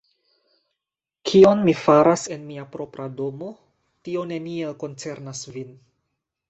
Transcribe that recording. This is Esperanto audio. Kion mi faras en mia propra domo, tio neniel koncernas vin.